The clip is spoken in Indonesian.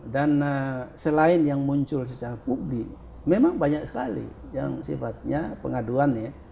dan selain yang muncul secara publik memang banyak sekali yang sifatnya pengaduan ya